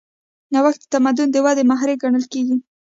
نوښت د تمدن د ودې محرک ګڼل کېږي.